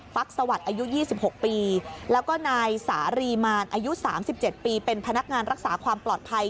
ักสวัสดิ์อายุ๒๖ปีแล้วก็นายสารีมารอายุ๓๗ปีเป็นพนักงานรักษาความปลอดภัย